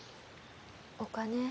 お金